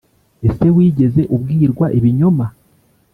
Ese wigeze ubwirwa ibinyoma